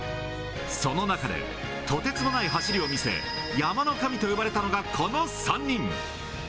その中で、とてつもない走りを見せ、山の神と呼ばれたのがこの３人。